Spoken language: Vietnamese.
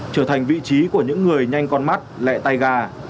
trở thành vị trí của những người nhanh con mắt lẹ tay ga